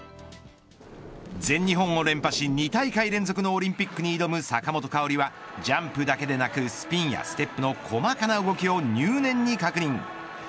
全日本を連覇し２大会連続のオリンピックに挑む坂本花織はジャンプだけでなくスピンやステップの細かな動きを入念に確認。